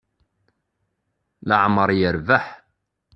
Leɛmer yerbeḥ.